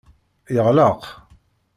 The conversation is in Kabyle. Yeɣleq.